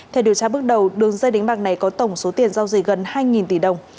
theo điều tra bước đầu đường dây đánh bạc này có tổng số tiền giao dịch gần hai tỷ đồng